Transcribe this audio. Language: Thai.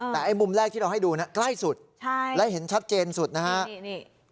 แต่ไอ้มุมแรกที่เราให้ดูนะใกล้สุดใช่และเห็นชัดเจนสุดนะฮะ